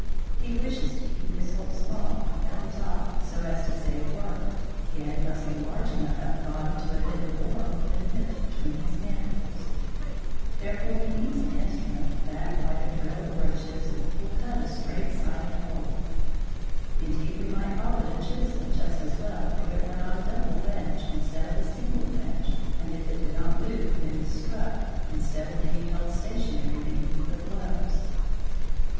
He wishes to keep his hole small at the top so as to save work, yet it must be large enough at the bottom to admit the borer when nipped between his mandibles; therefore he needs an instrument that, like a drill or a chisel, will cut a straight sided hole. Indeed, we might call it a chisel just as well if it were not a double wedge instead of a single wedge and if it did not move when it is struck instead of being held stationary beneath the blows.